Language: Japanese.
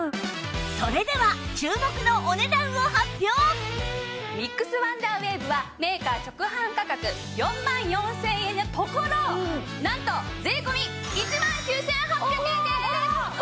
それでは注目のミックスワンダーウェーブはメーカー直販価格４万４０００円のところなんと税込１万９８００円です！あらーっ！